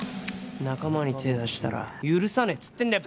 仲間に手を出したら許さねえって言ってんだよ！